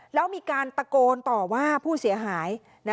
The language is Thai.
แล้วมีการตะโกนต่อว่าผู้เสียหาย